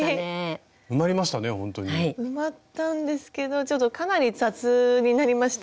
埋まったんですけどちょっとかなり雑になりました。